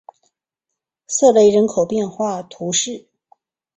瑟雷人口变化图示